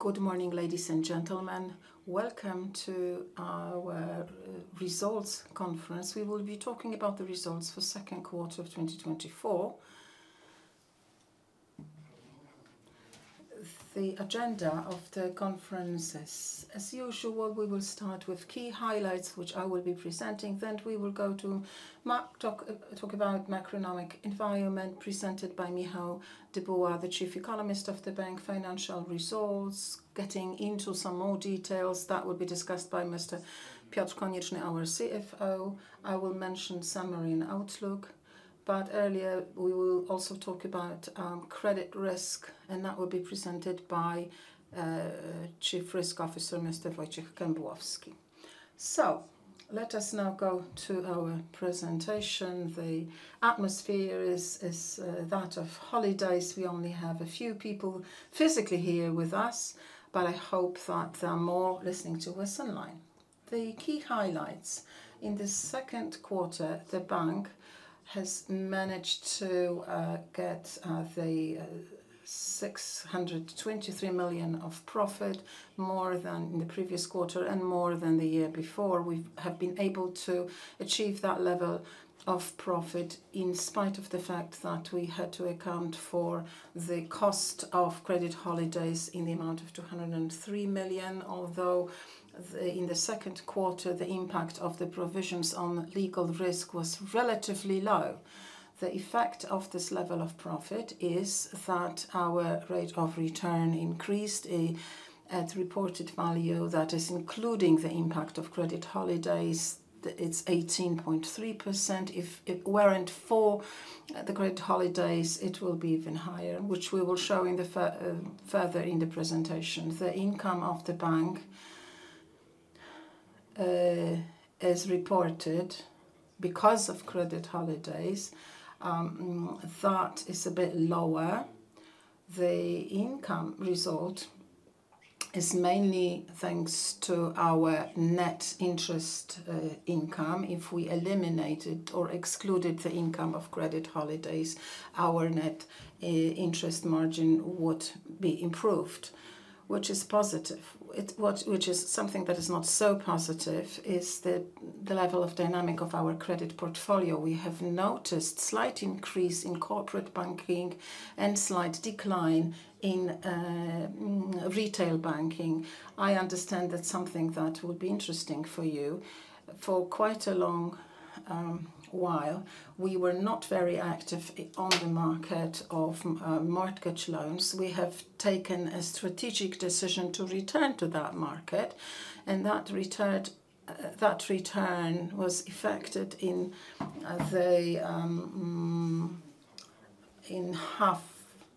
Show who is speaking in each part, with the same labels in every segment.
Speaker 1: Good morning, ladies and gentlemen. Welcome to our Results Conference. We will be talking about the results for second quarter of 2024. The agenda of the conference is, as usual, we will start with key highlights, which I will be presenting. Then we will go to talk about macroeconomic environment, presented by Michał Dybuła, the Chief Economist of the bank. Financial results, getting into some more details, that will be discussed by Mr. Piotr Konieczny, our CFO. I will mention summary and outlook, but earlier we will also talk about credit risk, and that will be presented by Chief Risk Officer, Mr. Wojciech Kembłowski. So let us now go to our presentation. The atmosphere is that of holidays. We only have a few people physically here with us, but I hope that there are more listening to us online. The key highlights. In the second quarter, the bank has managed to get the 623 million of profit, more than the previous quarter and more than the year before. We have been able to achieve that level of profit in spite of the fact that we had to account for the cost Credit Holidays in the amount of 203 million. Although, in the second quarter, the impact of the provisions on legal risk was relatively low. The effect of this level of profit is that our rate of return increased at reported value, that is including the impact Credit Holidays. it's 18.3%. If it weren't for Credit Holidays, it will be even higher, which we will show further in the presentation. The income of the bank, as reported because Credit Holidays, that is a bit lower. The income result is mainly thanks to our net interest income. If we eliminated or excluded the income Credit Holidays, our net interest margin would be improved, which is positive. Which is something that is not so positive is the level of dynamic of our credit portfolio. We have noticed slight increase in corporate banking and slight decline in retail banking. I understand that's something that would be interesting for you. For quite a long while, we were not very active on the market mortgage loans. we have taken a strategic decision to return to that market, and that return was effected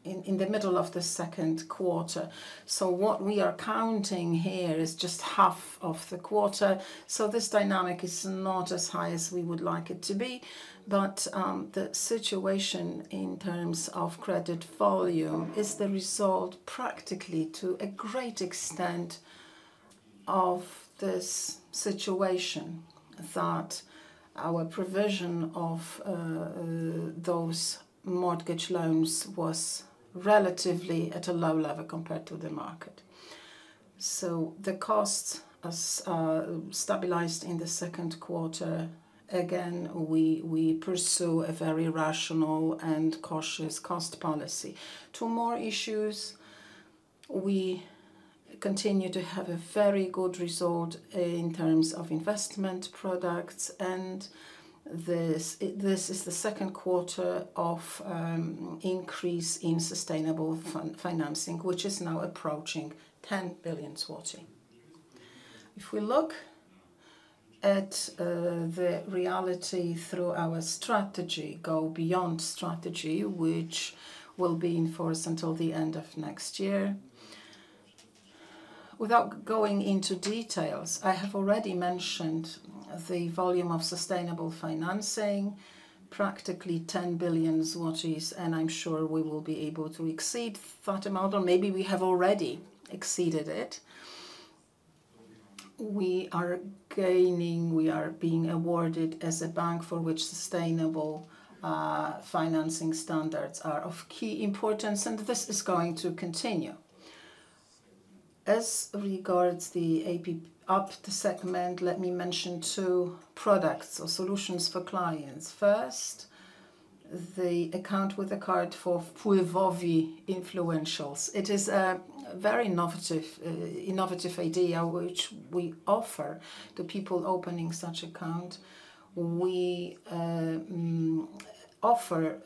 Speaker 1: in the middle of the second quarter. So what we are counting here is just half of the quarter, so this dynamic is not as high as we would like it to be. But the situation in terms of credit volume is the result, practically, to a great extent, of this situation that our provision of mortgage loans was relatively at a low level compared to the market. So the costs as stabilized in the second quarter. Again, we pursue a very rational and cautious cost policy. Two more issues. We continue to have a very good result in terms of investment products, and this is the second quarter of increase in sustainable financing, which is now approaching 10 billion. If we look at the reality through our strategy, Go Beyond strategy, which will be in force until the end of next year. Without going into details, I have already mentioned the volume of sustainable financing, practically 10 billion zlotys, and I'm sure we will be able to exceed that amount, or maybe we have already exceeded it. We are being awarded as a bank for which sustainable financing standards are of key importance, and this is going to continue. As regards the SME segment, let me mention two products or solutions for clients. First, the account with a card for Wpływowych Influentials. It is a very innovative idea, which we offer. The people opening such account, we offer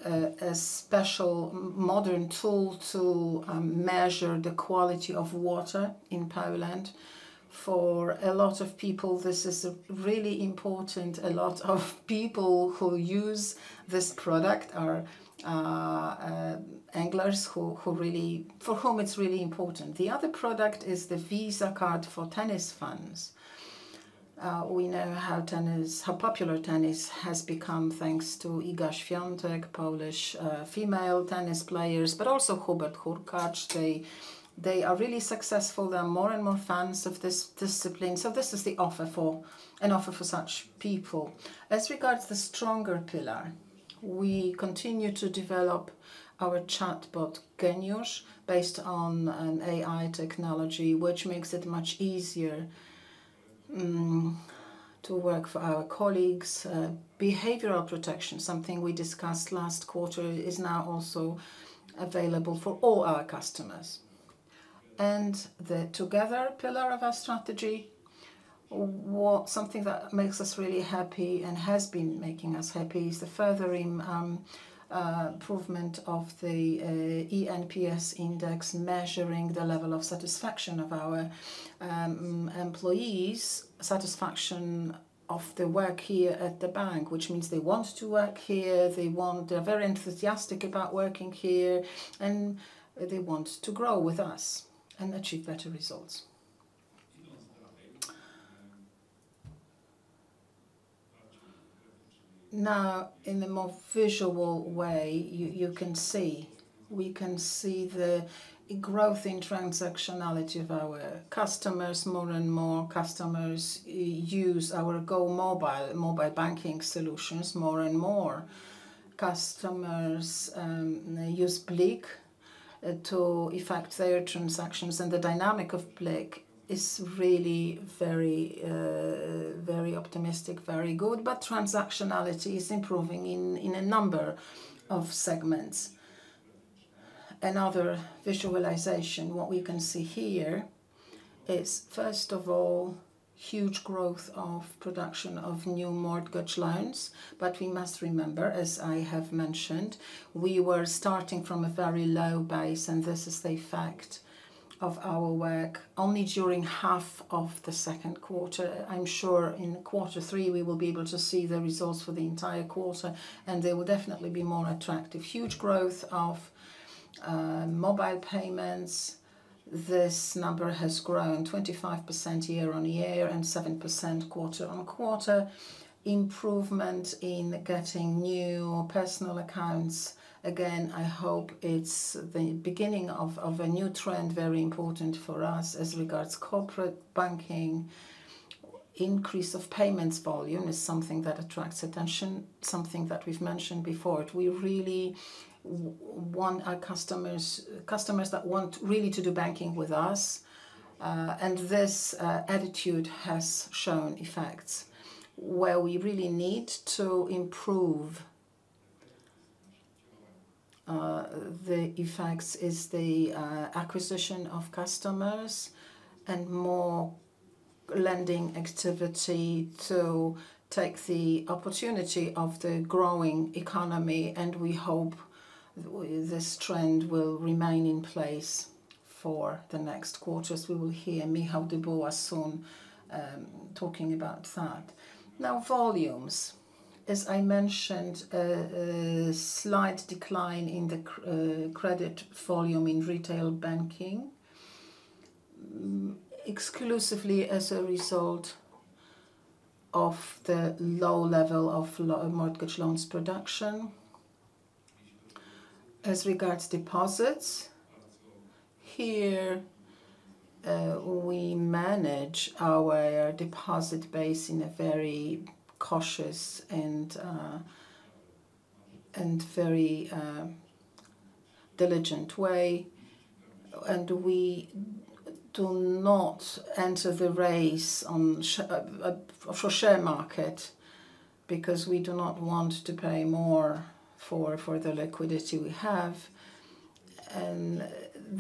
Speaker 1: a special modern tool to measure the quality of water in Poland. For a lot of people, this is really important. A lot of people who use this product are anglers who really for whom it's really important. The other product is the Visa card for tennis fans. We know how tennis, how popular tennis has become, thanks to Iga Świątek, Polish female tennis players, but also Hubert Hurkacz. They, they are really successful. There are more and more fans of this discipline, so this is the offer for an offer for such people. As regards the stronger pillar. We continue to develop our chatbot, Genius, based on an AI technology, which makes it much easier to work for our colleagues. Behavioral protection, something we discussed last quarter, is now also available for all our customers. The together pillar of our strategy, something that makes us really happy and has been making us happy, is the furthering improvement of the eNPS index, measuring the level of satisfaction of our employees, satisfaction of the work here at the bank, which means they want to work here, they're very enthusiastic about working here, and they want to grow with us and achieve better results. Now, in a more visual way, you can see, we can see the growth in transactionality of our customers. More and more customers use our GOmobile mobile banking solutions. More and more customers use BLIK to effect their transactions, and the dynamic of BLIK is really very, very optimistic, very good. But transactionality is improving in a number of segments. Another visualization, what we can see here is, first of all, huge growth of production of mortgage loans. but we must remember, as I have mentioned, we were starting from a very low base, and this is the effect of our work only during half of the second quarter. I'm sure in quarter three, we will be able to see the results for the entire quarter, and they will definitely be more attractive. Huge growth of mobile payments. This number has grown 25% year-on-year and 7% quarter-on-quarter. Improvement in getting new personal accounts. Again, I hope it's the beginning of a new trend, very important for us as regards corporate banking. Increase of payments volume is something that attracts attention, something that we've mentioned before. We really want our customers, customers that want really to do banking with us, and this attitude has shown effects. Where we really need to improve the effects is the acquisition of customers and more lending activity to take the opportunity of the growing economy, and we hope this trend will remain in place for the next quarters. We will hear Michał Dybuła soon, talking about that. Now, volumes. As I mentioned, a slight decline in the credit volume in retail banking, exclusively as a result of the low level mortgage loans production. As regards deposits, here, we manage our deposit base in a very cautious and, and very, diligent way, and we do not enter the race on share market because we do not want to pay more for, for the liquidity we have. And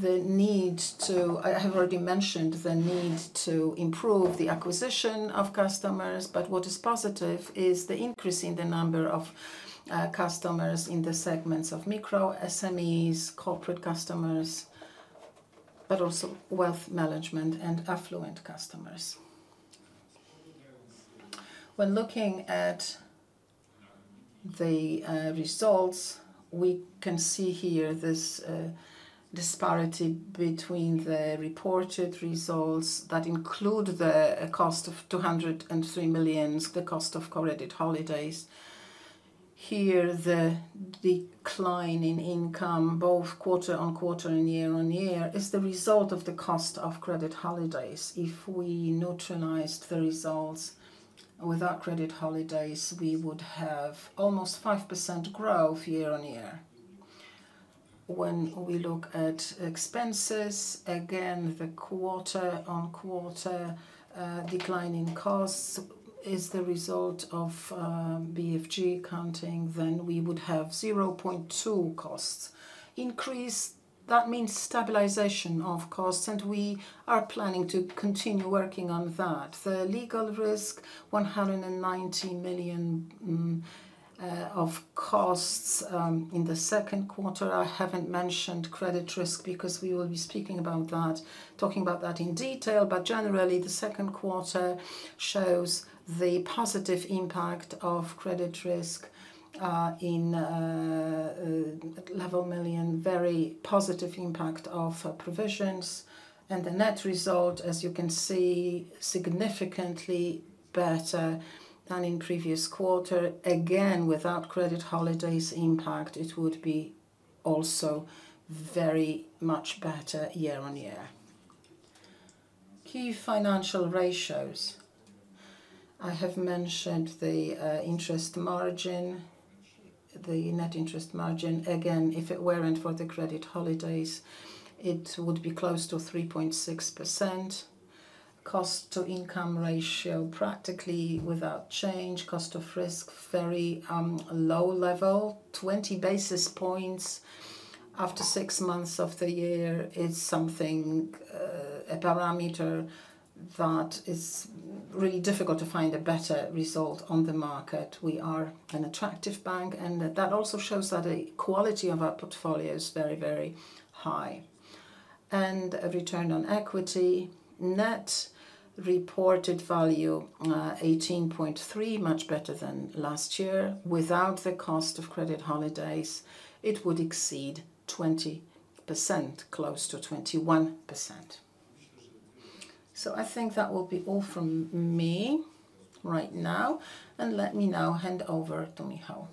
Speaker 1: the need to—I, I have already mentioned the need to improve the acquisition of customers, but what is positive is the increase in the number of, customers in the segments of micro SMEs, corporate customers, but also wealth management and affluent customers. When looking at the, results, we can see here this, disparity between the reported results that include the cost of 203 million, the cost Credit Holidays. here, the decline in income, both quarter-on-quarter and year-on-year, is the result of the cost of Credit Holidays. If we neutralized the results Credit Holidays, we would have almost 5% growth year-on-year. When we look at expenses, again, the quarter-on-quarter decline in costs is the result of BFG counting, then we would have 0.2% cost increase, that means stabilization of costs, and we are planning to continue working on that. The legal risk, 190 million of costs in the second quarter. I haven't mentioned credit risk because we will be speaking about that, talking about that in detail. But generally, the second quarter shows the positive impact of credit risk in level million, very positive impact of provisions. And the net result, as you can see, significantly better than in previous quarter. Again, Credit Holidays impact, it would be also very much better year-on-year. Key financial ratios. I have mentioned the interest margin, the net interest margin. Again, if it weren't for Credit Holidays, it would be close to 3.6%. Cost to income ratio, practically without change. Cost of risk, very low level. 20 basis points after six months of the year is something a parameter that is really difficult to find a better result on the market. We are an attractive bank, and that also shows that the quality of our portfolio is very, very high. And a return on equity, net reported value eighteen point three, much better than last year. Without the cost Credit Holidays, it would exceed 20%, close to 21%. So I think that will be all from me right now, and let me now hand over to Michał.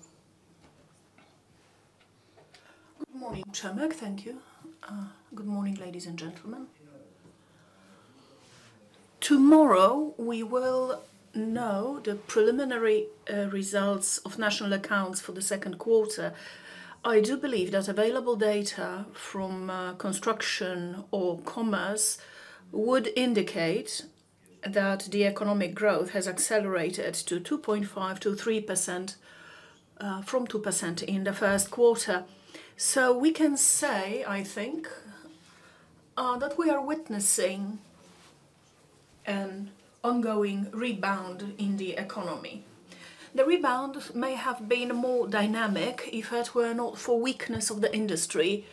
Speaker 2: Good morning, Przemysław. Thank you. Good morning, ladies and gentlemen. Tomorrow, we will know the preliminary results of national accounts for the second quarter. I do believe that available data from construction or commerce would indicate that the economic growth has accelerated to 2.5%-3% from 2% in the first quarter. So we can say, I think, that we are witnessing an ongoing rebound in the economy. The rebound may have been more dynamic if it were not for weakness of the industry,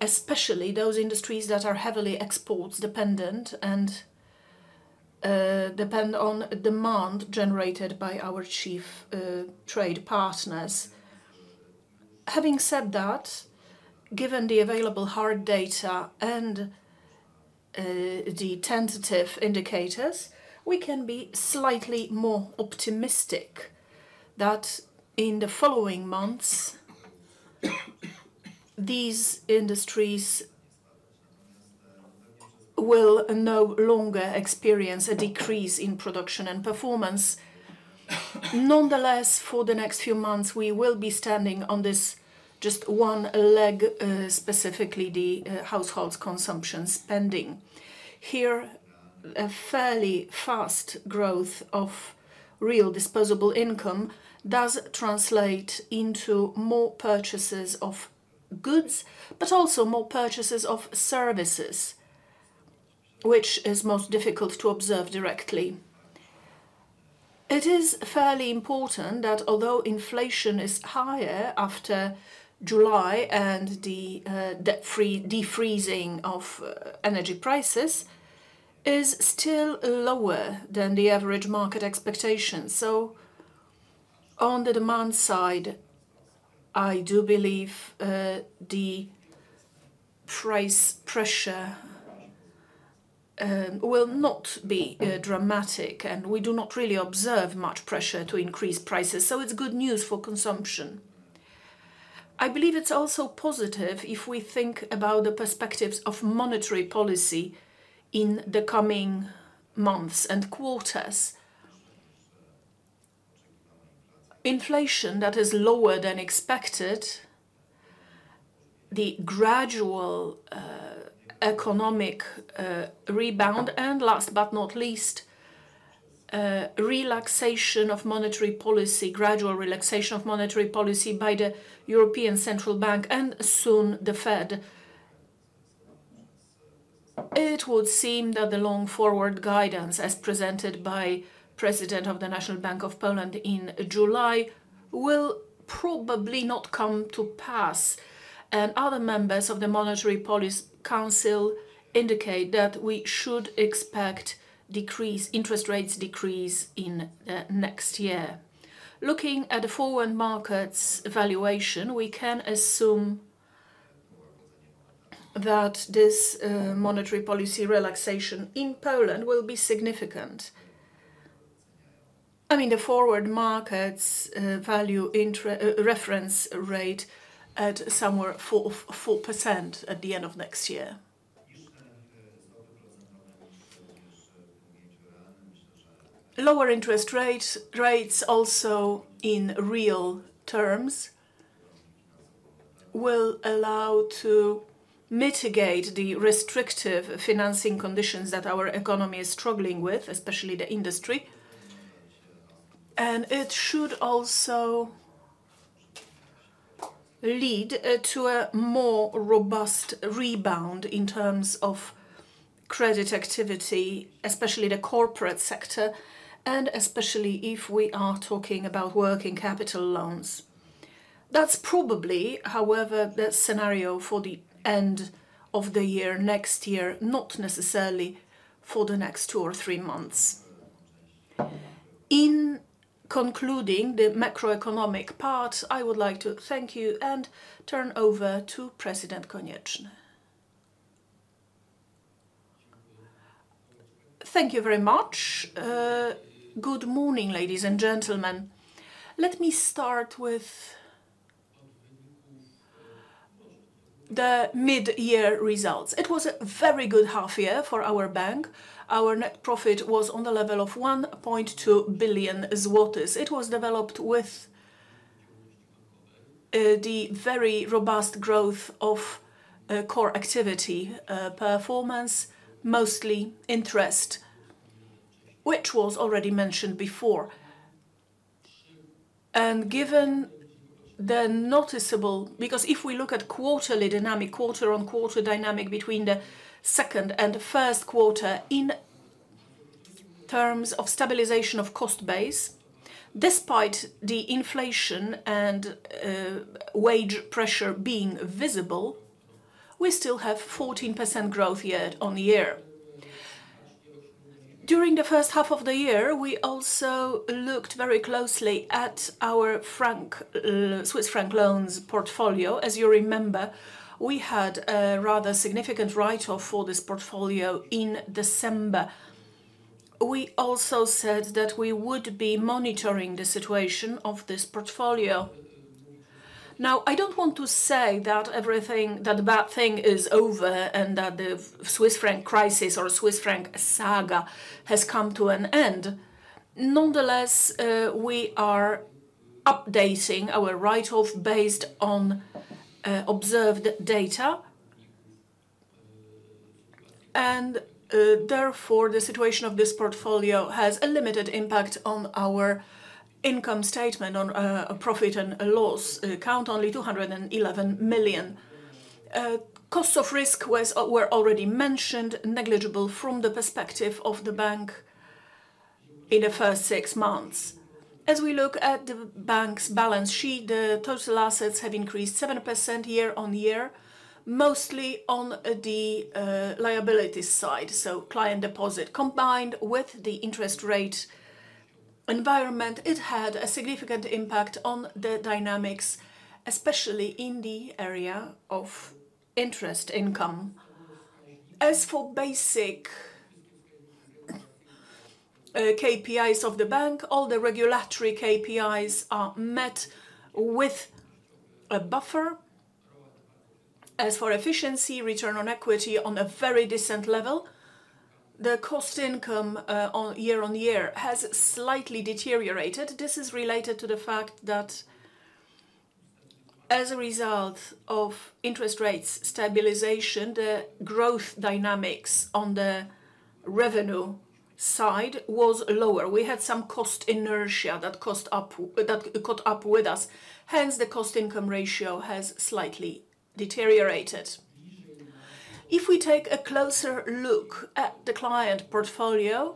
Speaker 2: especially those industries that are heavily export-dependent and depend on demand generated by our chief trade partners. Having said that, given the available hard data and the tentative indicators, we can be slightly more optimistic that in the following months, these industries will no longer experience a decrease in production and performance. Nonetheless, for the next few months, we will be standing on this just one leg, specifically the households' consumption spending. Here, a fairly fast growth of real disposable income does translate into more purchases of goods, but also more purchases of services, which is most difficult to observe directly. It is fairly important that although inflation is higher after July and the unfreezing of energy prices, is still lower than the average market expectations. So on the demand side, I do believe the price pressure will not be dramatic, and we do not really observe much pressure to increase prices. So it's good news for consumption. I believe it's also positive if we think about the perspectives of monetary policy in the coming months and quarters. Inflation that is lower than expected, the gradual economic rebound, and last but not least, relaxation of monetary policy, gradual relaxation of monetary policy by the European Central Bank and soon the Fed. It would seem that the long forward guidance, as presented by President of the National Bank of Poland in July, will probably not come to pass, and other members of the Monetary Policy Council indicate that we should expect a decrease in interest rates next year. Looking at the forward markets valuation, we can assume that this monetary policy relaxation in Poland will be significant. I mean, the forward markets value the reference rate at somewhere 4.4% at the end of next year. Lower interest rates, rates also in real terms, will allow to mitigate the restrictive financing conditions that our economy is struggling with, especially the industry. It should also lead to a more robust rebound in terms of credit activity, especially the corporate sector, and especially if we are talking about working capital loans. That's probably, however, the scenario for the end of the year, next year, not necessarily for the next two or three months. In concluding the macroeconomic part, I would like to thank you and turn over to President Konieczny.
Speaker 3: Thank you very much. Good morning, ladies and gentlemen. Let me start with the mid-year results. It was a very good half year for our bank. Our net profit was on the level of 1.2 billion zlotys. It was developed with the very robust growth of core activity performance, mostly interest, which was already mentioned before. And given the noticeable, because if we look at quarterly dynamic, quarter-on-quarter dynamic between the second and the first quarter, in terms of stabilization of cost base, despite the inflation and wage pressure being visible, we still have 14% growth year-on-year. During the first half of the year, we also looked very closely at our franc, Swiss franc loans portfolio. As you remember, we had a rather significant write-off for this portfolio in December. We also said that we would be monitoring the situation of this portfolio. Now, I don't want to say that everything, that the bad thing is over, and that the Swiss franc crisis or Swiss franc saga has come to an end. Nonetheless, we are updating our write-off based on observed data. Therefore, the situation of this portfolio has a limited impact on our income statement, on a profit and a loss account, only 211 million. Costs of risk were already mentioned, negligible from the perspective of the bank in the first six months. As we look at the bank's balance sheet, the total assets have increased 7% year-on-year, mostly on the liability side, so client deposit. Combined with the interest rate environment, it had a significant impact on the dynamics, especially in the area of interest income. As for basic KPIs of the bank, all the regulatory KPIs are met with a buffer. As for efficiency, return on equity on a very decent level. The cost income year-on-year has slightly deteriorated. This is related to the fact that as a result of interest rates stabilization, the growth dynamics on the revenue side was lower. We had some cost inertia that caught up with us, hence, the cost-income ratio has slightly deteriorated. If we take a closer look at the client portfolio,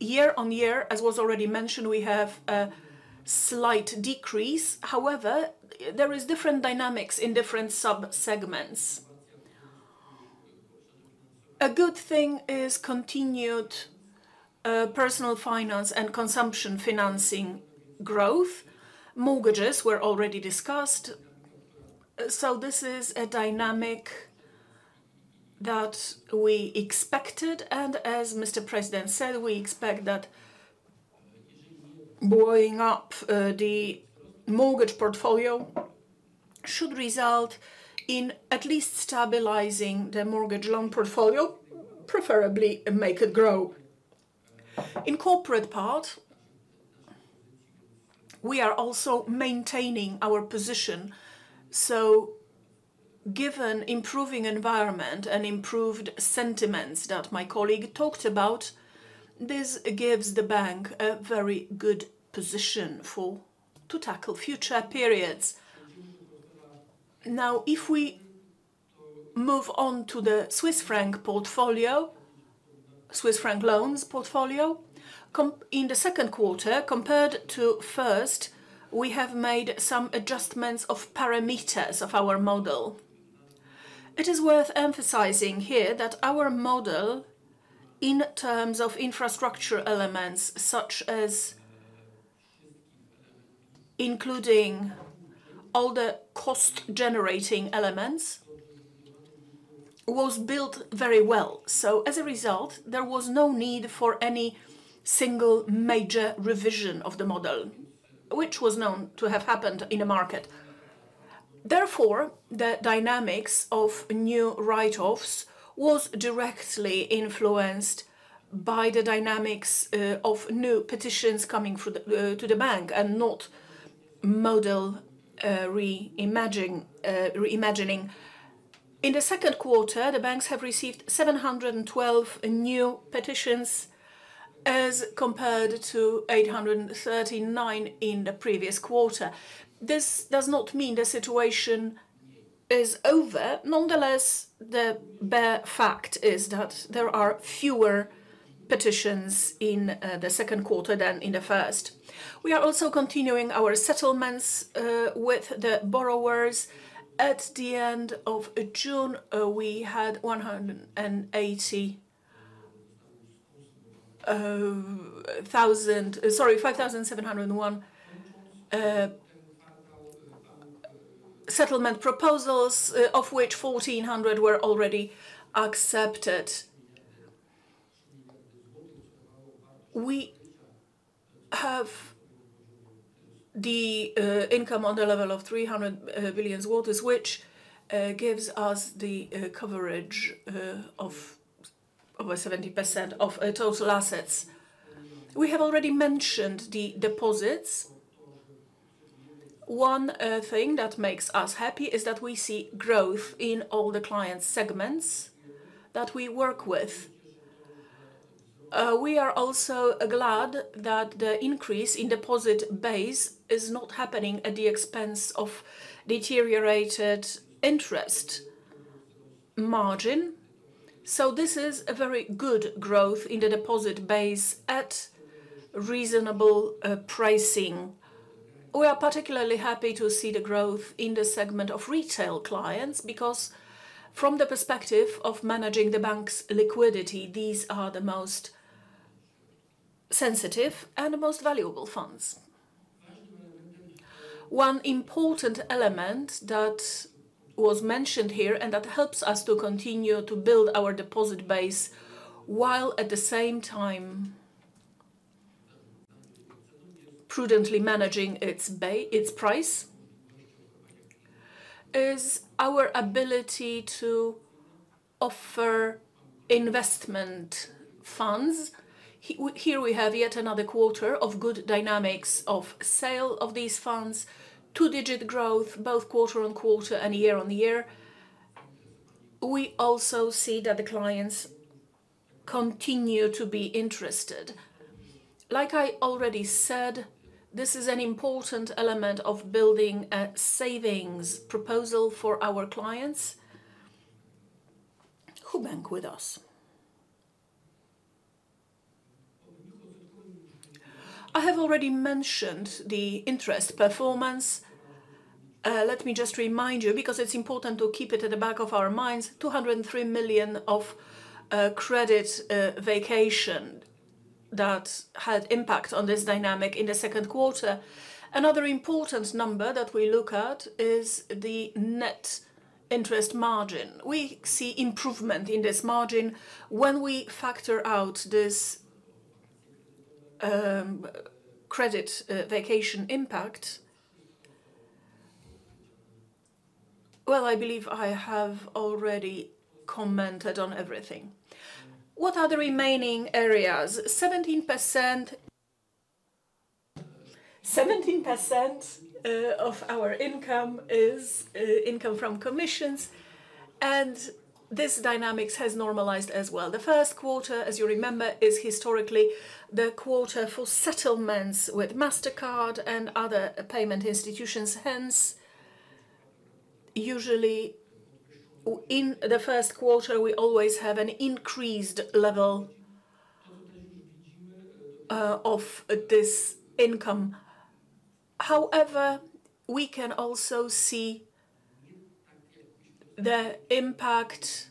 Speaker 3: year-on-year, as was already mentioned, we have a slight decrease. However, there is different dynamics in different sub-segments. A good thing is continued personal finance and consumption financing growth. Mortgages were already discussed, so this is a dynamic that we expected, and as Mr. President said, we expect that blowing up the mortgage portfolio should result in at least stabilizing the Mortgage Loan portfolio, preferably make it grow. In corporate part, we are also maintaining our position. So given improving environment and improved sentiments that my colleague talked about, this gives the bank a very good position for to tackle future periods. Now, if we move on to the Swiss franc portfolio, Swiss franc loans portfolio in the second quarter, compared to first, we have made some adjustments of parameters of our model. It is worth emphasizing here that our model, in terms of infrastructure elements, such as including all the cost-generating elements, was built very well. So as a result, there was no need for any single major revision of the model, which was known to have happened in the market. Therefore, the dynamics of new write-offs was directly influenced by the dynamics of new petitions coming through to the bank, and not model reimagining. In the second quarter, the banks have received 712 new petitions as compared to 839 in the previous quarter. This does not mean the situation is over. Nonetheless, the bare fact is that there are fewer petitions in the second quarter than in the first. We are also continuing our settlements with the borrowers. At the end of June, we had 180 thousand, sorry, 5,701 settlement proposals, of which 1,400 were already accepted. We have the income on the level of 300 billion, which gives us the coverage of over 70% of total assets. We have already mentioned the deposits. One thing that makes us happy is that we see growth in all the client segments that we work with. We are also glad that the increase in deposit base is not happening at the expense of deteriorated interest margin. So this is a very good growth in the deposit base at reasonable pricing. We are particularly happy to see the growth in the segment of retail clients, because from the perspective of managing the bank's liquidity, these are the most sensitive and most valuable funds. One important element that was mentioned here, and that helps us to continue to build our deposit base, while at the same time prudently managing its price, is our ability to offer investment funds. Here we have yet another quarter of good dynamics of sale of these funds, two-digit growth, both quarter-on-quarter and year-on-year. We also see that the clients continue to be interested. Like I already said, this is an important element of building a savings proposal for our clients who bank with us. I have already mentioned the interest performance. Let me just remind you, because it's important to keep it at the back of our minds, 203 million Credit Holidays that had impact on this dynamic in the second quarter. Another important number that we look at is the net interest margin. We see improvement in this margin when we factor out Credit Holidays impact. Well, I believe I have already commented on everything. What are the remaining areas? 17%. 17% of our income is income from commissions, and this dynamics has normalized as well. The first quarter, as you remember, is historically the quarter for settlements with Mastercard and other payment institutions. Hence, usually in the first quarter, we always have an increased level of this income. However, we can also see the impact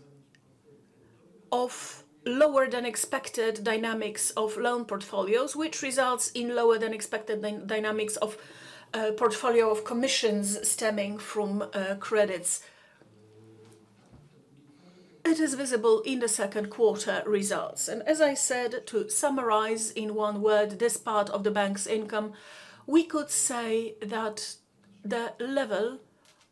Speaker 3: of lower-than-expected dynamics of loan portfolios, which results in lower-than-expected dynamics of portfolio of commissions stemming from credits. It is visible in the second quarter results. And as I said, to summarize in one word, this part of the bank's income, we could say that the level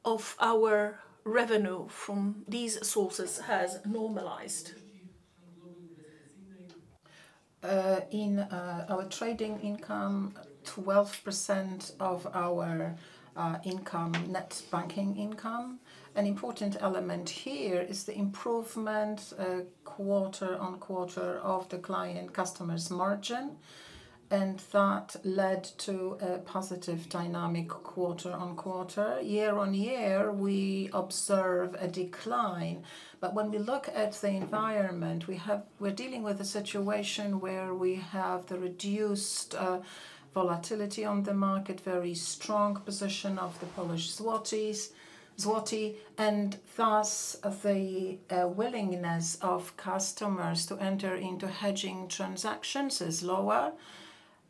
Speaker 3: of our revenue from these sources has normalized. In our trading income, 12% of our income, net banking income. An important element here is the improvement quarter-over-quarter of the client customers margin, and that led to a positive dynamic quarter-over-quarter. Year-on-year, we observe a decline. But when we look at the environment, we're dealing with a situation where we have the reduced volatility on the market, very strong position of the Polish złoty, and thus the willingness of customers to enter into hedging transactions is lower,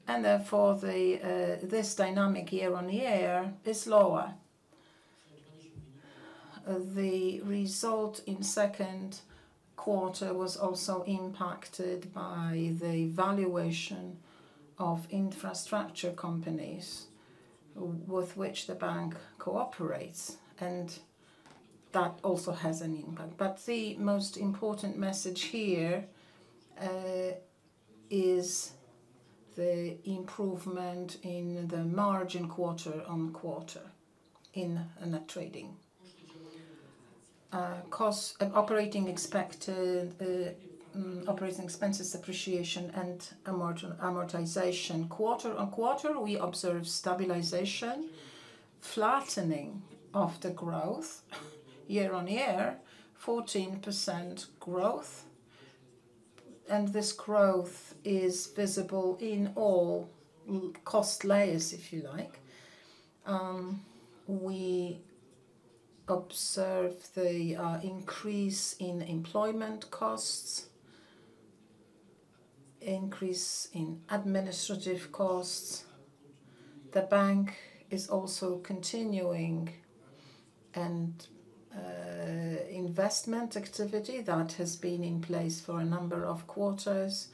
Speaker 3: and therefore this dynamic year-on-year is lower. The result in second quarter was also impacted by the valuation of infrastructure companies with which the bank cooperates, and that also has an impact. But the most important message here is the improvement in the margin quarter-over-quarter in net trading. Costs and operating expected operating expenses, depreciation, and amortization. Quarter-on-quarter, we observe stabilization, flattening of the growth. Year-on-year, 14% growth, and this growth is visible in all cost layers, if you like. We observe the increase in employment costs, increase in administrative costs-... The bank is also continuing an investment activity that has been in place for a number of quarters.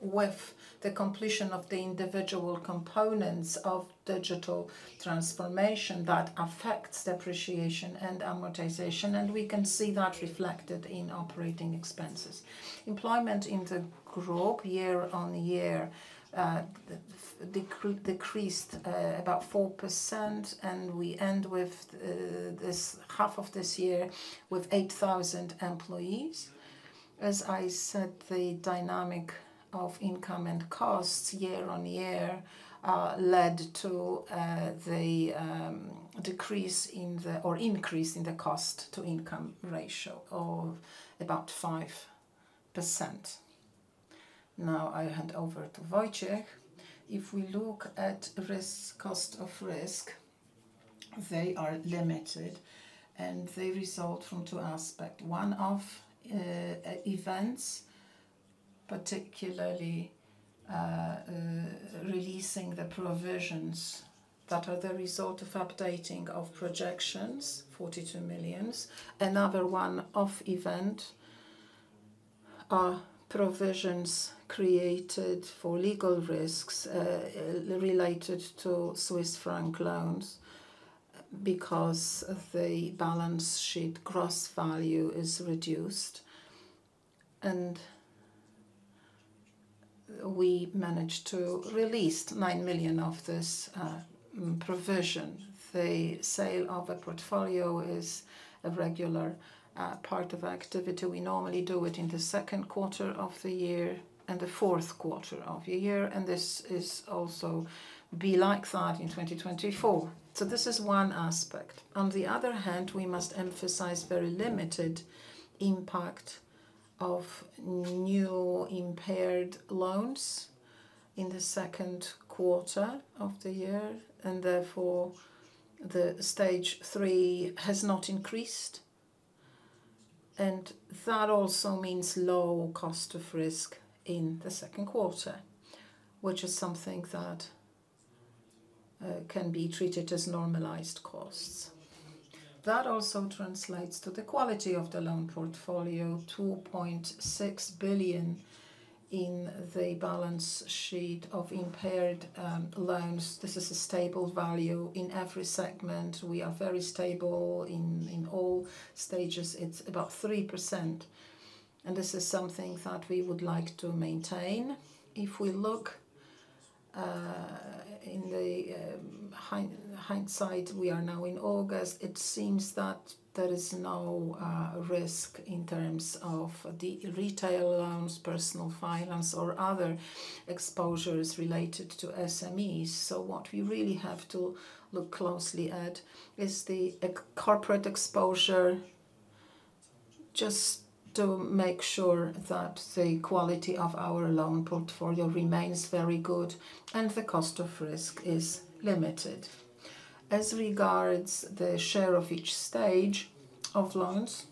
Speaker 3: With the completion of the individual components of digital transformation, that affects depreciation and amortization, and we can see that reflected in operating expenses. Employment in the group year-on-year decreased about 4%, and we end with this half of this year with 8,000 employees. As I said, the dynamic of income and costs year-on-year led to the decrease or increase in the cost-to-income ratio of about 5%. Now, I hand over to Wojciech.
Speaker 4: If we look at risk, cost of risk, they are limited, and they result from two aspects. One-off events, particularly releasing the provisions that are the result of updating of projections, 42 million. Another one-off event are provisions created for legal risks related to Swiss franc loans, because the balance sheet gross value is reduced, and we managed to release 9 million of this provision. The sale of a portfolio is a regular part of activity. We normally do it in the second quarter of the year and the fourth quarter of the year, and this is also be like that in 2024. So this is one aspect. On the other hand, we must emphasize very limited impact of new impaired loans in the second quarter of the year, and therefore, the Stage 3 has not increased. And that also means low cost of risk in the second quarter, which is something that can be treated as normalized costs. That also translates to the quality of the loan portfolio, 2.6 billion in the balance sheet of impaired loans. This is a stable value. In every segment, we are very stable. In all stages, it's about 3%, and this is something that we would like to maintain. If we look in the hindsight, we are now in August, it seems that there is no risk in terms of the retail loans, personal finance, or other exposures related to SMEs. So what we really have to look closely at is the corporate exposure, just to make sure that the quality of our loan portfolio remains very good and the cost of risk is limited. As regards the share of each stage of loans,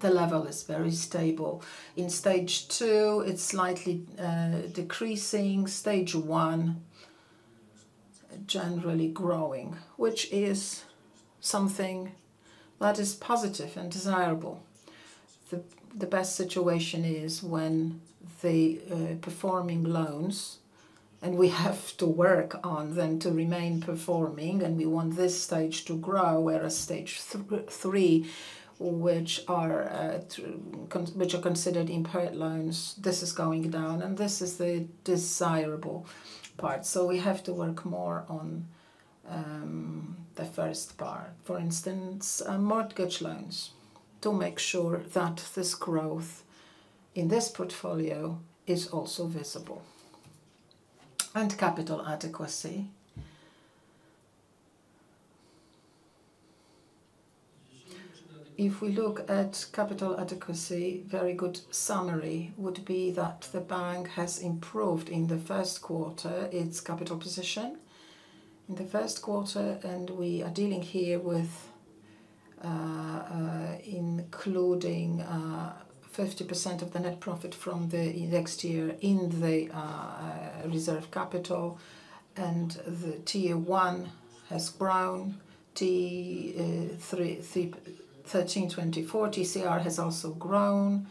Speaker 4: the level is very stable. In Stage 2, it's slightly decreasing. Stage 1, generally growing, which is something that is positive and desirable. The best situation is when the performing loans, and we have to work on them to remain performing, and we want this stage to grow, whereas Stage 3, which are considered impaired loans, this is going down, and this is the desirable part. So we have to work more on the first part. For mortgage loans, to make sure that this growth in this portfolio is also visible. Capital adequacy. If we look at capital adequacy, very good summary would be that the bank has improved in the first quarter, its capital position. In the first quarter, and we are dealing here with including 50% of the net profit from the next year in the reserve capital, and the Tier 1 has grown 13.24. TCR has also grown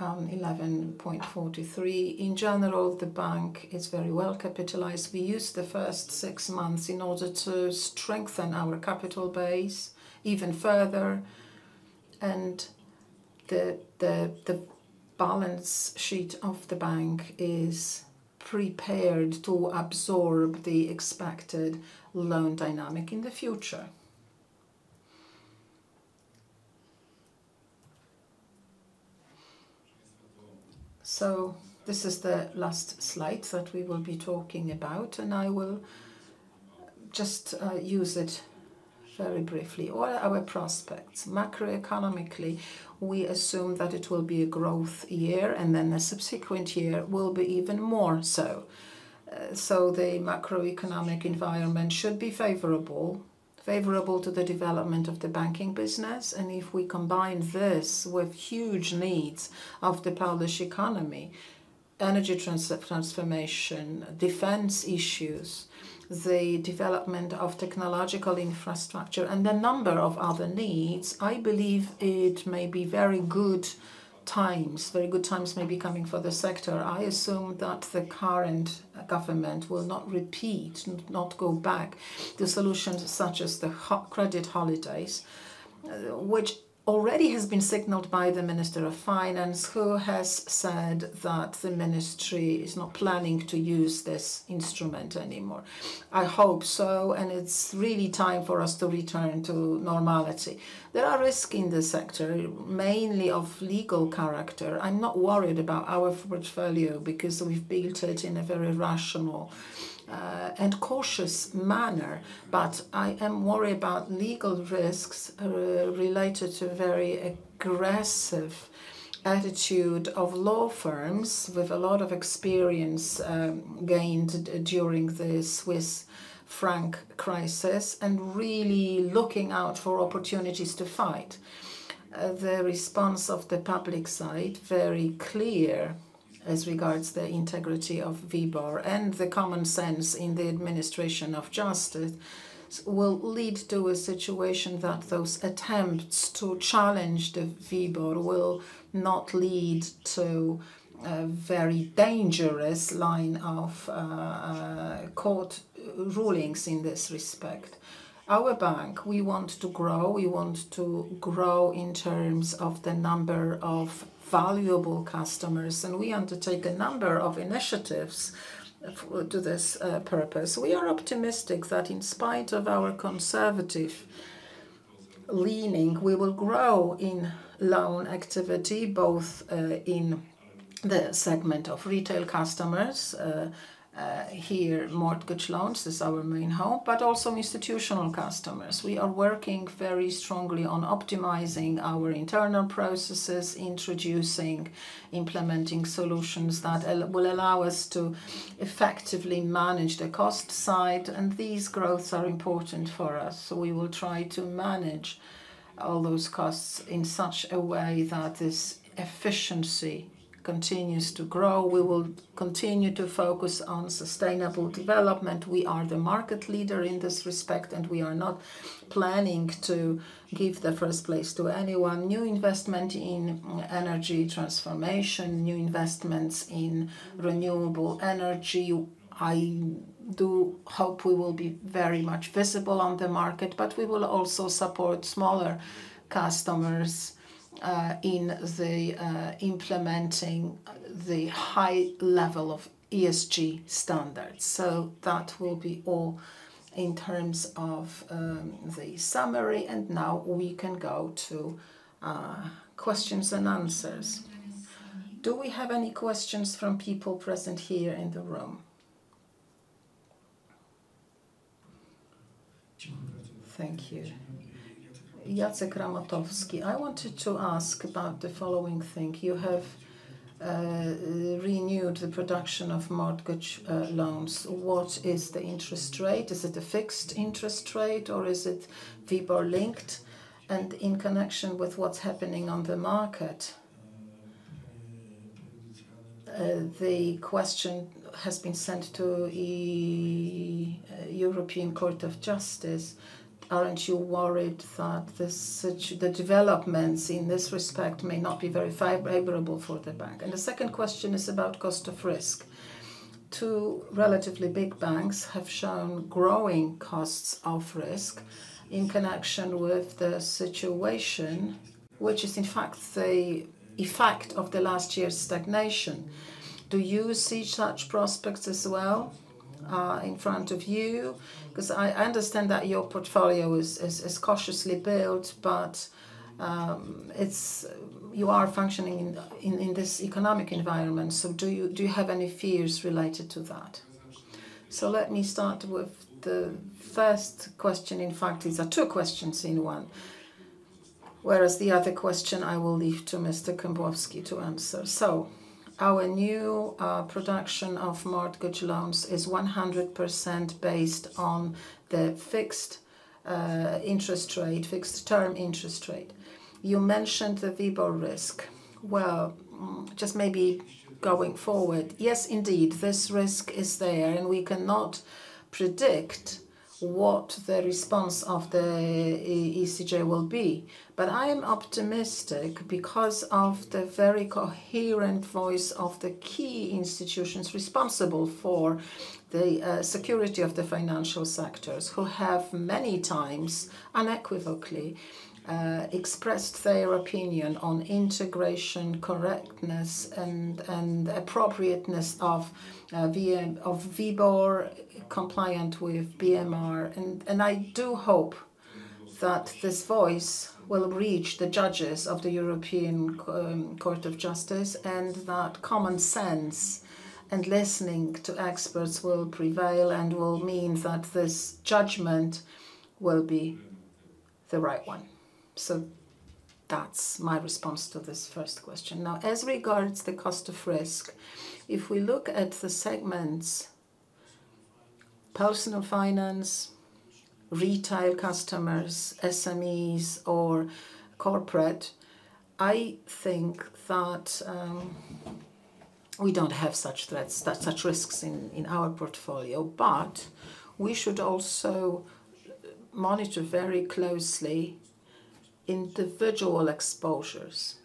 Speaker 4: 11.43. In general, the bank is very well capitalized. We used the first six months in order to strengthen our capital base even further, and the balance sheet of the bank is prepared to absorb the expected loan dynamic in the future. So this is the last slide that we will be talking about, and I will just use it very briefly. What are our prospects? Macroeconomically, we assume that it will be a growth year, and then the subsequent year will be even more so. So the macroeconomic environment should be favorable.... favorable to the development of the banking business, and if we combine this with huge needs of the Polish economy, energy transformation, defense issues, the development of technological infrastructure, and a number of other needs, I believe it may be very good times. Very good times may be coming for the sector. I assume that the current government will not repeat, not go back, the solutions such as Credit Holidays, which already has been signaled by the Minister of Finance, who has said that the ministry is not planning to use this instrument anymore. I hope so, and it's really time for us to return to normality. There are risks in the sector, mainly of legal character. I'm not worried about our portfolio because we've built it in a very rational, and cautious manner. But I am worried about legal risks, related to very aggressive attitude of law firms with a lot of experience, gained during the Swiss franc crisis, and really looking out for opportunities to fight. The response of the public side, very clear as regards the integrity of WIBOR and the common sense in the administration of justice, will lead to a situation that those attempts to challenge the WIBOR will not lead to a very dangerous line of court rulings in this respect. Our bank, we want to grow. We want to grow in terms of the number of valuable customers, and we undertake a number of initiatives, for to this purpose. We are optimistic that in spite of our conservative leaning, we will grow in loan activity, both in the segment of retail customers, mortgage loans is our main home, but also institutional customers. We are working very strongly on optimizing our internal processes, introducing, implementing solutions that will allow us to effectively manage the cost side, and these growths are important for us, so we will try to manage all those costs in such a way that this efficiency continues to grow. We will continue to focus on sustainable development. We are the market leader in this respect, and we are not planning to give the first place to anyone. New investment in energy transformation, new investments in renewable energy, I do hope we will be very much visible on the market, but we will also support smaller customers in the implementing the high level of ESG standards. So that will be all in terms of the summary, and now we can go to questions and answers. Do we have any questions from people present here in the room?
Speaker 5: Thank you. Jacek Ramotowski. I wanted to ask about the following thing: You have renewed the production mortgage loans. what is the interest rate? Is it a fixed interest rate, or is it WIBOR linked? In connection with what's happening on the market, the question has been sent to the European Court of Justice, aren't you worried that the developments in this respect may not be very favorable for the bank? And the second question is about cost of risk. Two relatively big banks have shown growing costs of risk in connection with the situation, which is, in fact, the effect of the last year's stagnation. Do you see such prospects as well, in front of you? 'Cause I understand that your portfolio is cautiously built, but you are functioning in this economic environment, so do you have any fears related to that?
Speaker 1: So let me start with the first question. In fact, these are two questions in one. Whereas the other question, I will leave to Mr. Kembłowski to answer. So our new production mortgage loans is 100% based on the fixed interest rate, fixed term interest rate. You mentioned the WIBOR risk. Well, just maybe going forward, yes, indeed, this risk is there, and we cannot predict what the response of the ECJ will be, but I am optimistic because of the very coherent voice of the key institutions responsible for the security of the financial sectors, who have many times unequivocally expressed their opinion on integration, correctness, and appropriateness of WIBOR compliant with BMR. And I do hope that this voice will reach the judges of the European Court of Justice, and that common sense and listening to experts will prevail and will mean that this judgment will be-... the right one. So that's my response to this first question. Now, as regards the cost of risk, if we look at the segments: Personal Finance, Retail Customers, SMEs, or Corporate, I think that we don't have such threats, such risks in our portfolio. But we should also monitor very closely individual exposures,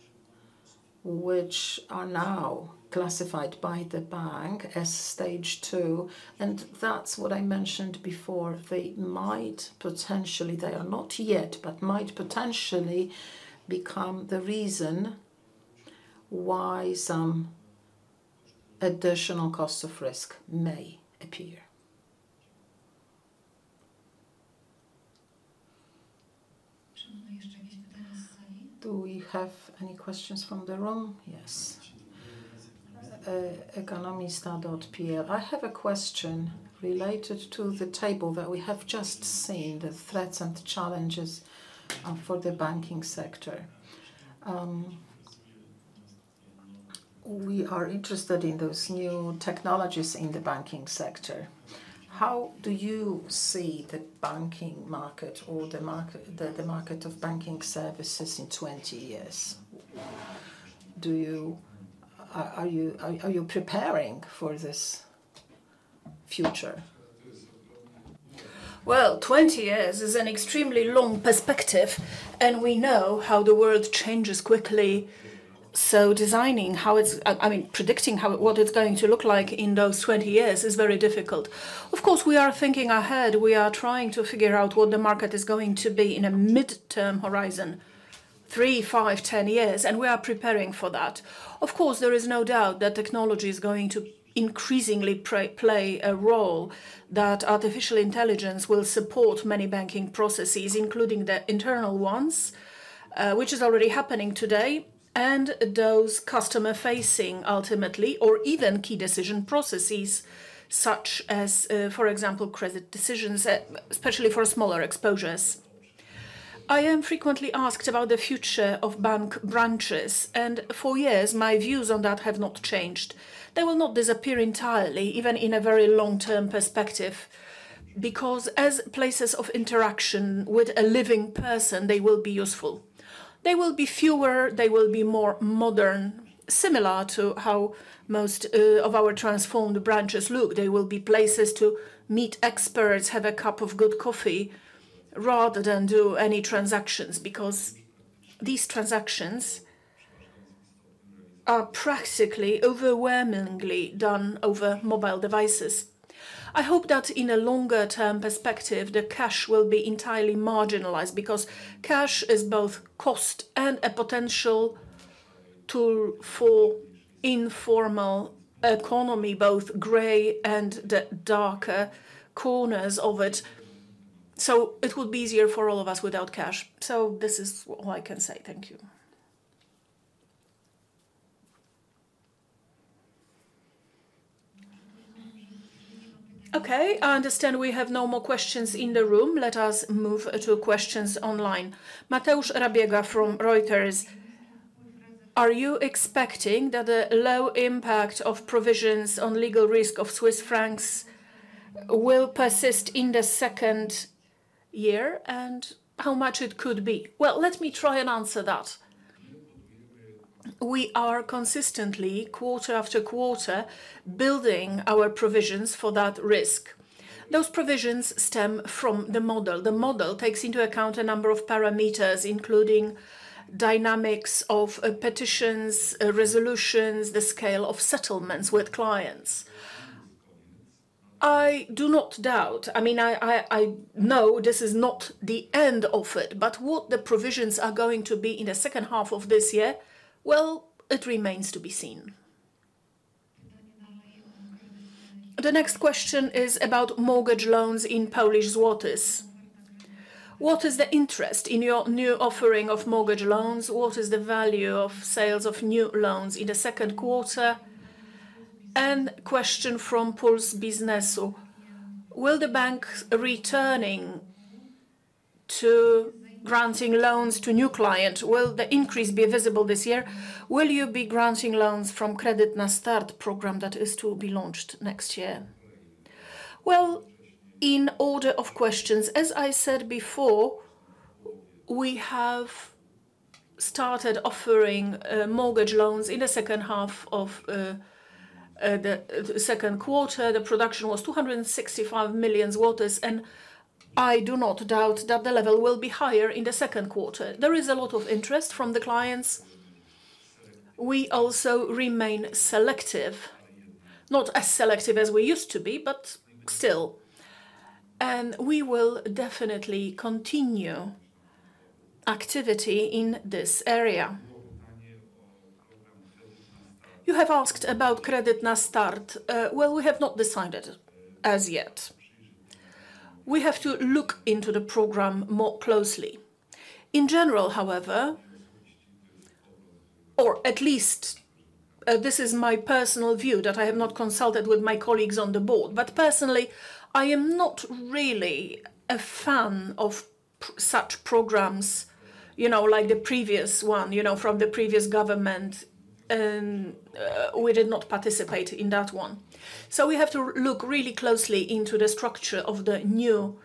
Speaker 1: which are now classified by the bank as Stage 2, and that's what I mentioned before. They might potentially, they are not yet, but might potentially become the reason why some additional costs of risk may appear. Do we have any questions from the room?
Speaker 6: Yes. Economista.pl. I have a question related to the table that we have just seen, the threats and challenges, for the banking sector. We are interested in those new technologies in the banking sector. How do you see the banking market or the market, the market of banking services in 20 years? Are you preparing for this future?
Speaker 1: Well, 20 years is an extremely long perspective, and we know how the world changes quickly. So designing how it's... I mean, predicting how, what it's going to look like in those 20 years is very difficult. Of course, we are thinking ahead. We are trying to figure out what the market is going to be in a midterm horizon, three, five, 10 years, and we are preparing for that. Of course, there is no doubt that technology is going to increasingly play a role, that artificial intelligence will support many banking processes, including the internal ones, which is already happening today, and those customer-facing ultimately or even key decision processes, such as, for example, credit decisions, especially for smaller exposures. I am frequently asked about the future of bank branches, and for years, my views on that have not changed. They will not disappear entirely, even in a very long-term perspective, because as places of interaction with a living person, they will be useful. They will be fewer, they will be more modern, similar to how most of our transformed branches look. They will be places to meet experts, have a cup of good coffee, rather than do any transactions, because these transactions are practically overwhelmingly done over mobile devices. I hope that in a longer term perspective, the cash will be entirely marginalized because cash is both cost and a potential tool for informal economy, both gray and the darker corners of it. So it will be easier for all of us without cash. So this is all I can say. Thank you. Okay, I understand we have no more questions in the room. Let us move to questions online. Mateusz Rabiega from Reuters: Are you expecting that the low impact of provisions on legal risk of Swiss francs will persist in the second year, and how much it could be? Well, let me try and answer that. We are consistently, quarter after quarter, building our provisions for that risk. Those provisions stem from the model. The model takes into account a number of parameters, including dynamics of petitions, resolutions, the scale of settlements with clients. I do not doubt, I mean, I know this is not the end of it, but what the provisions are going to be in the second half of this year, well, it remains to be seen. The next question is mortgage loans in Polish złotys. What is the interest in your new offering mortgage loans? what is the value of sales of new loans in the second quarter? Question from Puls Biznesu: Will the bank returning to granting loans to new client, will the increase be visible this year? Will you be granting loans from Kredyt na Start program that is to be launched next year? Well, in order of questions, as I said before, we have started mortgage loans in the second half of the second quarter. The production was 265 million, and I do not doubt that the level will be higher in the second quarter. There is a lot of interest from the clients. We also remain selective, not as selective as we used to be, but still, and we will definitely continue activity in this area. You have asked about Kredyt na Start. Well, we have not decided as yet. We have to look into the program more closely. In general, however-... or at least, this is my personal view that I have not consulted with my colleagues on the board. But personally, I am not really a fan of such programs, you know, like the previous one, you know, from the previous government. We did not participate in that one. So we have to look really closely into the structure of the new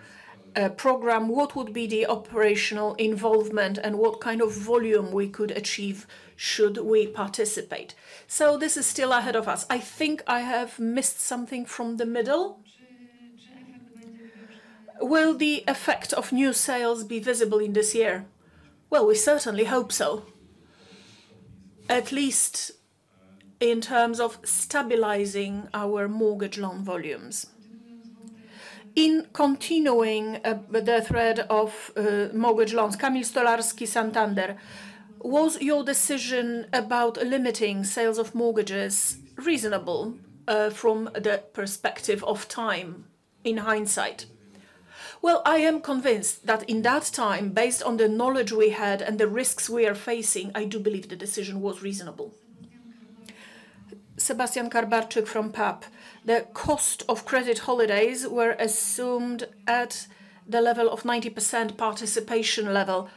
Speaker 1: program. What would be the operational involvement, and what kind of volume we could achieve should we participate? So this is still ahead of us. I think I have missed something from the middle. Will the effect of new sales be visible in this year? Well, we certainly hope so, at least in terms of stabilizing our Mortgage Loan volumes. In continuing, with the thread mortgage loans, kamil Stolarski, Santander: Was your decision about limiting sales of mortgages reasonable, from the perspective of time, in hindsight? Well, I am convinced that in that time, based on the knowledge we had and the risks we are facing, I do believe the decision was reasonable. Sebastian Karbarczyk from PAP: The cost Credit Holidays were assumed at the level of 90% participation level.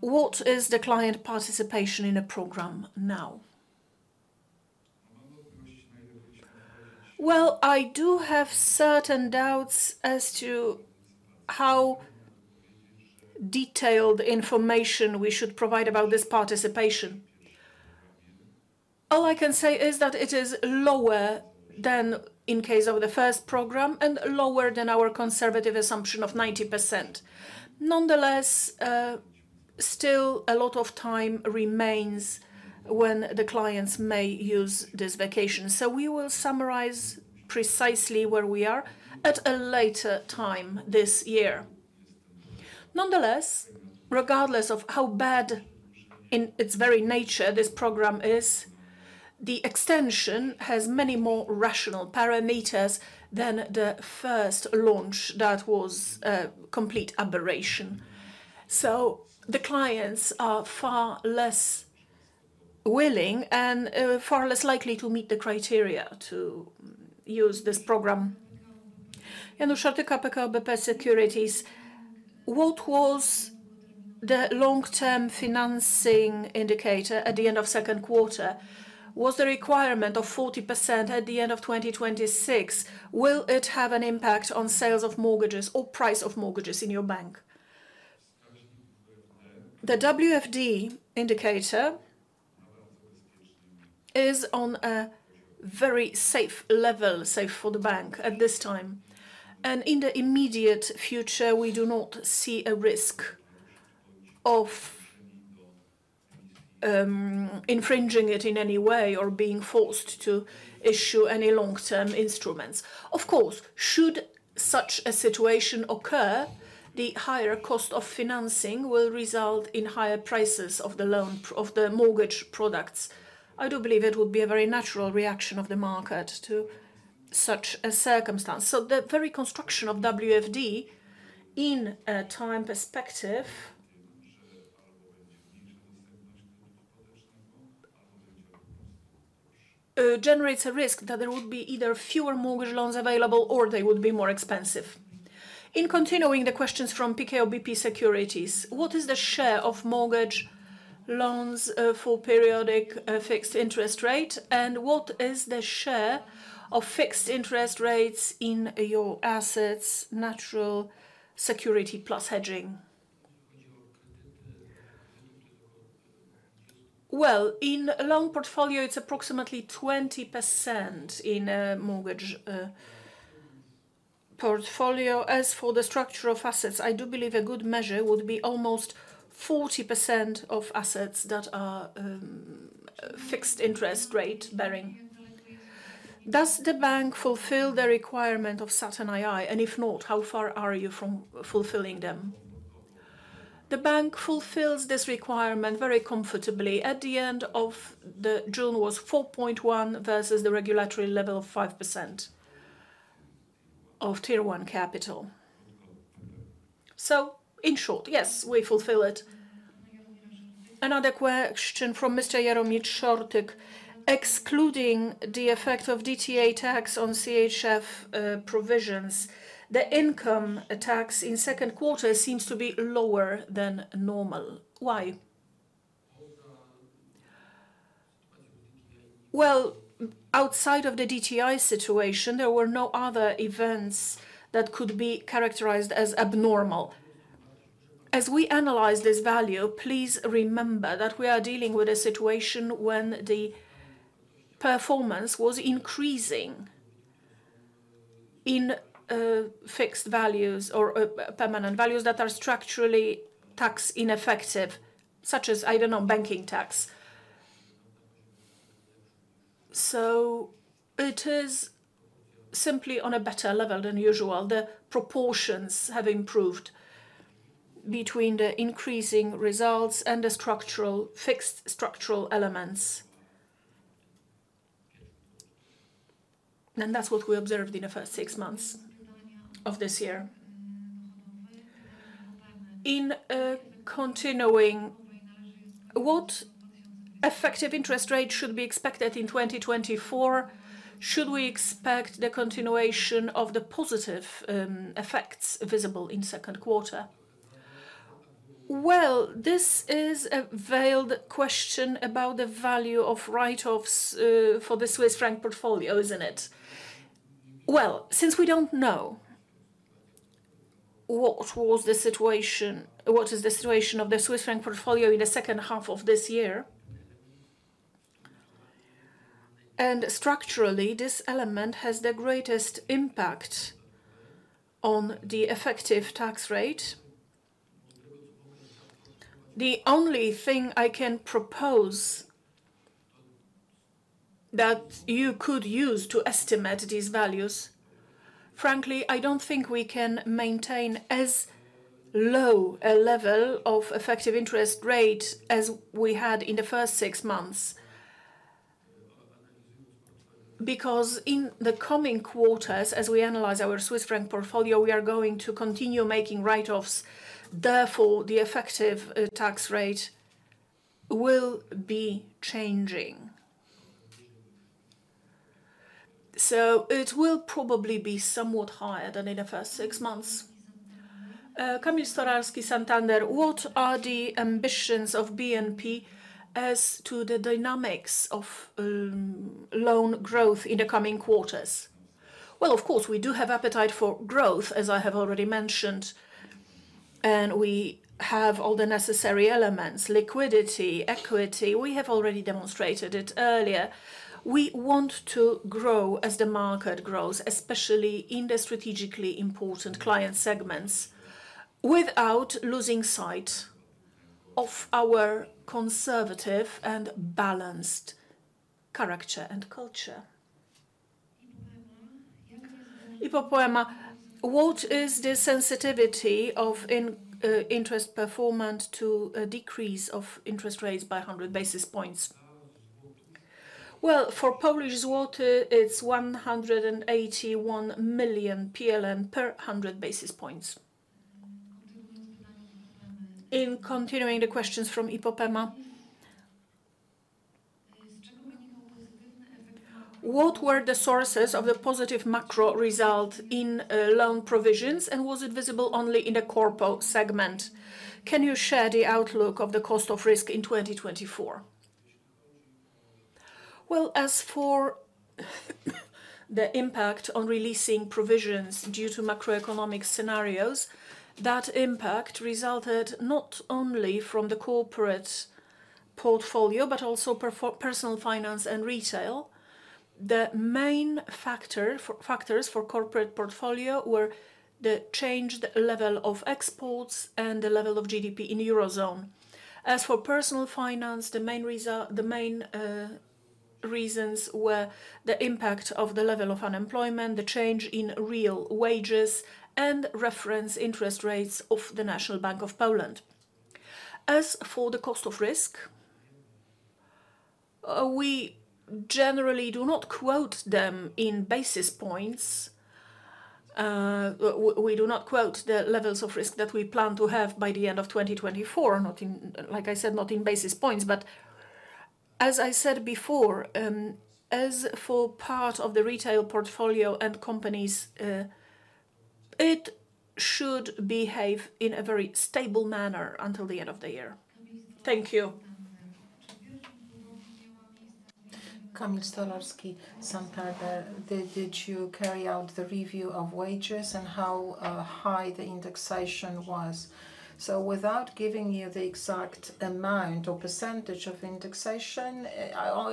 Speaker 1: What is the client participation in the program now? Well, I do have certain doubts as to how detailed information we should provide about this participation. All I can say is that it is lower than in case of the first program and lower than our conservative assumption of 90%. Nonetheless, still, a lot of time remains when the clients may use this vacation. So we will summarize precisely where we are at a later time this year. Nonetheless, regardless of how bad in its very nature this program is, the extension has many more rational parameters than the first launch. That was a complete aberration. So the clients are far less willing and far less likely to meet the criteria to use this program. Jaromir Szortyka, PKO BP Securities: What was the long-term financing indicator at the end of second quarter? Was the requirement of 40% at the end of 2026, will it have an impact on sales of mortgages or price of mortgages in your bank? The WFD indicator is on a very safe level, safe for the bank at this time, and in the immediate future, we do not see a risk of infringing it in any way or being forced to issue any long-term instruments. Of course, should such a situation occur, the higher cost of financing will result in higher prices of the loan, of the mortgage products. I do believe it would be a very natural reaction of the market to such a circumstance. So the very construction of WFD in a time perspective, generates a risk that there would be either mortgage loans available or they would be more expensive. In continuing the questions from PKO BP Securities, what is the share mortgage loans, for periodic, fixed interest rate, and what is the share of fixed interest rates in your assets, natural security plus hedging? Well, in a loan portfolio, it's approximately 20% in a mortgage, portfolio. As for the structure of assets, I do believe a good measure would be almost 40% of assets that are, fixed interest rate bearing. Does the bank fulfill the requirement of Saturn II, and if not, how far are you from fulfilling them? The bank fulfills this requirement very comfortably. At the end of June was 4.1 vs the regulatory level of 5% of Tier 1 Capital. So in short, yes, we fulfill it. Another question from Mr. Jaromir Szortyka: Excluding the effect of DTA tax on CHF provisions, the income tax in second quarter seems to be lower than normal. Why? Well, outside of the DTA situation, there were no other events that could be characterized as abnormal. As we analyze this value, please remember that we are dealing with a situation when the performance was increasing in fixed values or permanent values that are structurally tax ineffective, such as, I don't know, banking tax. So it is simply on a better level than usual. The proportions have improved between the increasing results and the structural, fixed structural elements. That's what we observed in the first six months of this year. Continuing, what effective interest rate should be expected in 2024? Should we expect the continuation of the positive effects visible in second quarter? Well, this is a veiled question about the value of write-offs for the Swiss franc portfolio, isn't it? Well, since we don't know what was the situation, what is the situation of the Swiss franc portfolio in the second half of this year, and structurally, this element has the greatest impact on the effective tax rate. The only thing I can propose that you could use to estimate these values, frankly, I don't think we can maintain as low a level of effective interest rate as we had in the first six months. Because in the coming quarters, as we analyze our Swiss franc portfolio, we are going to continue making write-offs, therefore, the effective tax rate will be changing. So it will probably be somewhat higher than in the first six months. Kamil Stolarski, Santander: What are the ambitions of BNP as to the dynamics of loan growth in the coming quarters? Well, of course, we do have appetite for growth, as I have already mentioned, and we have all the necessary elements: liquidity, equity. We have already demonstrated it earlier. We want to grow as the market grows, especially in the strategically important client segments, without losing sight of our conservative and balanced character and culture. IPOPEMA: What is the sensitivity of interest performance to a decrease of interest rates by 100 basis points? Well, for Polish złoty, it's 181 million PLN per hundred basis points. In continuing the questions from IPOPEMA: What were the sources of the positive macro result in loan provisions, and was it visible only in the corporate segment? Can you share the outlook of the cost of risk in 2024? Well, as for the impact on releasing provisions due to macroeconomic scenarios, that impact resulted not only from the corporate portfolio, but also personal finance and retail. The main factors for corporate portfolio were the changed level of exports and the level of GDP in Eurozone. As for personal finance, the main reasons were the impact of the level of unemployment, the change in real wages, and reference interest rates of the National Bank of Poland. As for the cost of risk, we generally do not quote them in basis points. We do not quote the levels of risk that we plan to have by the end of 2024, not in, like I said, not in basis points. But as I said before, as for part of the retail portfolio and companies, it should behave in a very stable manner until the end of the year. Thank you. Kamil Stolarski, Santander: Did you carry out the review of wages and how high the indexation was? So without giving you the exact amount or percentage of indexation,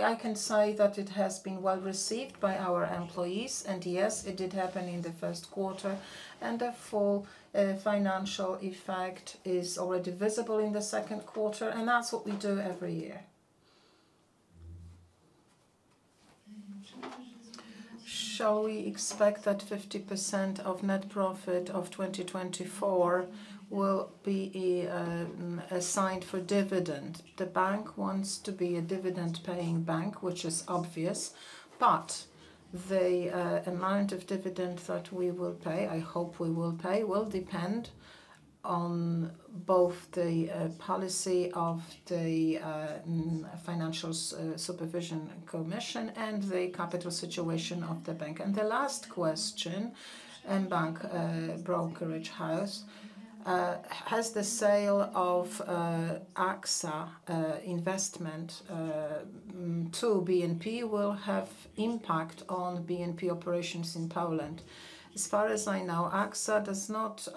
Speaker 1: I can say that it has been well received by our employees, and yes, it did happen in the first quarter, and therefore, a financial effect is already visible in the second quarter, and that's what we do every year. Shall we expect that 50% of net profit of 2024 will be assigned for dividend? The bank wants to be a dividend-paying bank, which is obvious, but the amount of dividend that we will pay, I hope we will pay, will depend on both the policy of the Financial Supervision Commission and the capital situation of the bank. And the last question, mBank brokerage house: has the sale of AXA Investment to BNP will have impact on BNP operations in Poland? As far as I know, AXA does not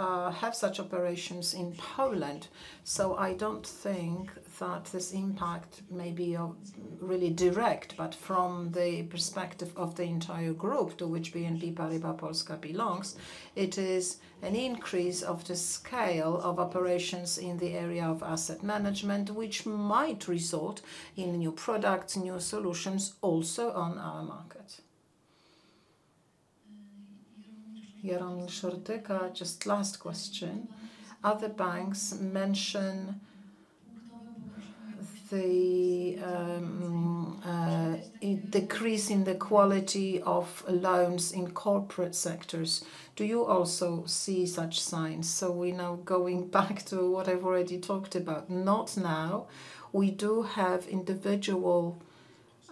Speaker 1: have such operations in Poland, so I don't think that this impact may be really direct. But from the perspective of the entire group to which BNP Paribas Polska belongs, it is an increase of the scale of operations in the area of asset management, which might result in new products, new solutions, also on our market. Jaromir Szortyka, just last question: Other banks mention the decrease in the quality of loans in corporate sectors. Do you also see such signs? So we now going back to what I've already talked about. Not now. We do have individual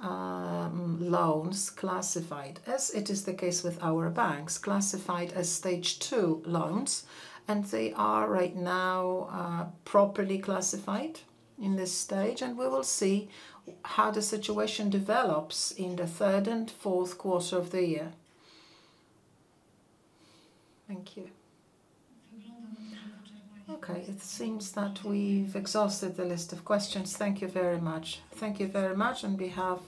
Speaker 1: loans classified, as it is the case with our banks, classified as Stage 2 loans, and they are right now properly classified in this stage, and we will see how the situation develops in the third and fourth quarter of the year. Thank you. Okay, it seems that we've exhausted the list of questions. Thank you very much. Thank you very much on behalf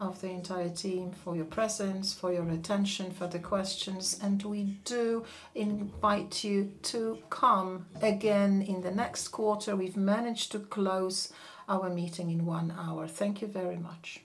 Speaker 1: of the entire team for your presence, for your attention, for the questions, and we do invite you to come again in the next quarter. We've managed to close our meeting in one hour. Thank you very much.